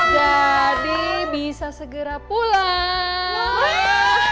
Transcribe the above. jadi bisa segera pulang